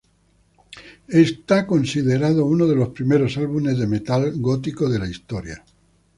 Es considerado uno de los primeros álbumes de metal Gótico de la historia.